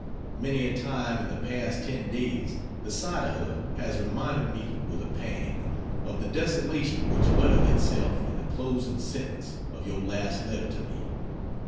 Many a time, in the past ten days, the sight of her has reminded me, with a pang, of the desolation which uttered itself in the closing sentence of your last letter to me.